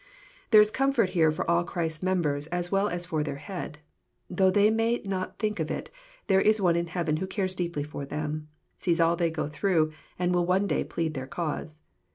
There is comfort here for all Christ's members as well as for their Head. Though they may not think of it, there is One in heaven who cares deeply for them, sees all they go through, and will one day plead their cause.